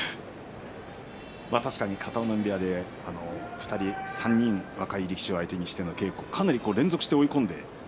確かに片男波部屋で２人３人と下位力士を相手にしての稽古かなり連続して追い込んで。